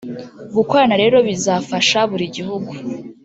Gukorana rero bizafasha buri gihugu